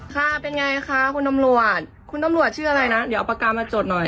ค่ะเป็นไงคะคุณตำรวจคุณตำรวจชื่ออะไรนะเดี๋ยวเอาปากกามาจดหน่อย